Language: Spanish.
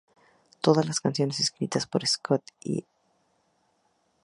Todas las canciones escritas por Scott Stapp y Mark Tremonti.